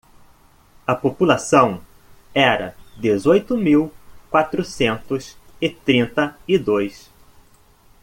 A população era dezoito mil quatrocentos e trinta e dois.